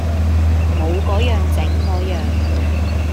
冇個樣整個樣